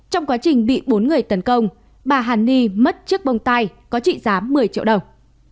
trong quá trình bị bốn người tấn công bà hằng li mất chiếc bông tay có trị giá một mươi triệu đồng